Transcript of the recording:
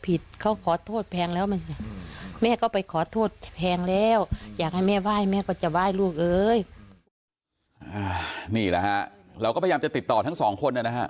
เราก็พยายามจะติดต่อทั้งสองคนนะฮะ